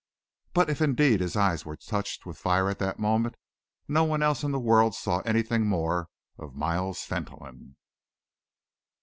But if indeed his eyes were touched with fire at that moment, no one else in the world saw anything more of Miles Fentolin.